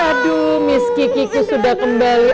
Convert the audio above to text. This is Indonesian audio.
aduh miss kikiku sudah kembali